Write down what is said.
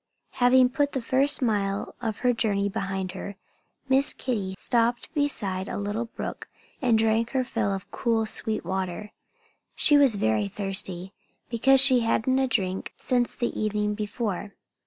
Having put the first mile of her journey behind her, Miss Kitty stopped beside a little brook and drank her fill of cool, sweet water. She was very thirsty, because she hadn't had a drink since the evening before.